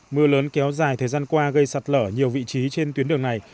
mưa lớn kéo dài thời gian qua gây sạt lở nhiều vị trí trên tuyến đường này